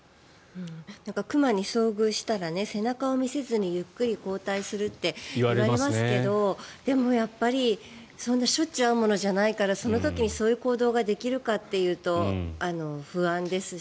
熊に遭遇したら背中を見せずにゆっくり後退するって言われますけどでも、やっぱりそんなしょっちゅう会うものじゃないけどその時にそういう行動ができるかっていうと不安ですし。